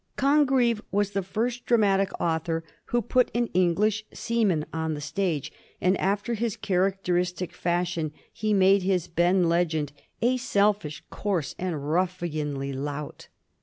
Con greve was the first dramatic author who put an English seaman on the stage ; and, after his charac teristic fashion, he made his Ben Legend a selfish, coarse, and ruffianly lout.